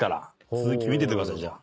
続き見ててくださいじゃあ。